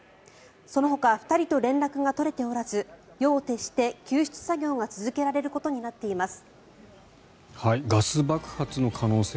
そのほか２人と連絡が取れておらず夜を徹して救出作業が続けられることになっています。